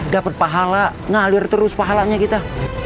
dapat pahala ngalir terus pahalanya kita